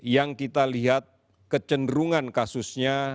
yang kita lihat kecenderungan kasusnya